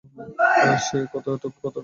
সে তোকে কতোটা ভালোবাসে!